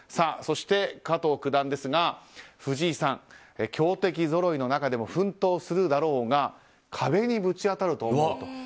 そして、加藤九段ですが藤井さん、強敵ぞろいの中でも奮闘するだろうが壁にぶち当たると思うと。